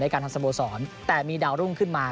การทำสโมสรแต่มีดาวรุ่งขึ้นมา